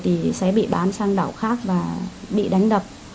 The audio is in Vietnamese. thì sẽ bị bán sang đảo khác và bị đánh đập